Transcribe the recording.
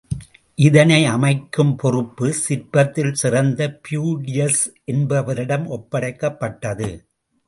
இதனை அமைக்கும் பொறுப்பு சிற்பத்தில் சிறந்த பியிடியஸ் என்பவரிடம் ஒப்படைக்கப்பட்டது.